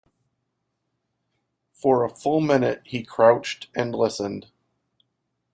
For a full minute he crouched and listened.